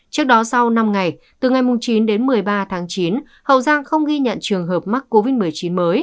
trước đó sau năm ngày từ ngày chín đến một mươi ba tháng chín hậu giang không ghi nhận trường hợp mắc covid một mươi chín mới